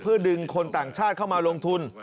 เพื่อดึงคนต่างชาติเข้ามาลงทุน